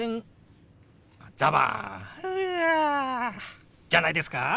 ザバンはあじゃないですか？